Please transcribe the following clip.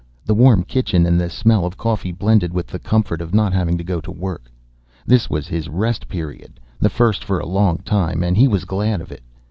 The warm kitchen and the smell of coffee blended with the comfort of not having to go to work. This was his Rest Period, the first for a long time, and he was glad of it.